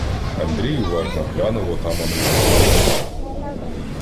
Андрій уважно глянув отаманові в обличчя.